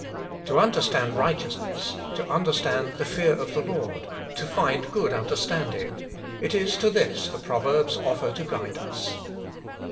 To under stand righteousness, to understand the fear of the Lord, to find good understanding, it is to this the Proverbs offer to guide us.